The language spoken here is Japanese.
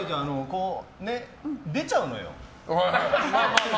こう出ちゃうのよ。